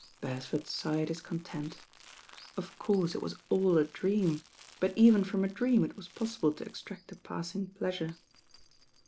Beresford sighed his con tent. Of course it was all a dream; but even from a dream it was possible to extract a passing pleasure.